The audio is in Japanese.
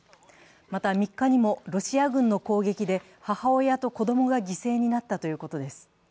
また、３日にもロシア軍の攻撃で母親と子供が犠牲になったということです。